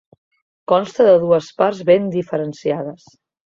Consta de dues parts ben diferenciades.